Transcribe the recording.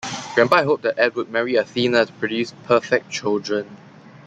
Grandpa had hoped that Ed would marry Athena to produce perfect children.